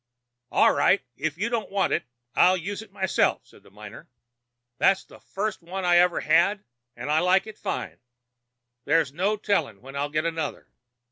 "'All right. If you don't want it I'll use it myself,' says the miner. 'It's the first one I ever had, and I like it fine. There's no telling when I'll get another.'